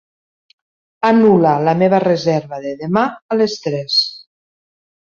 Anul·la la meva reserva de demà a les tres.